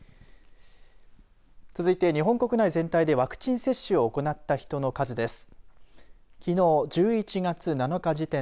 続いて、日本国内全体でワクチン接種を行った人の数です。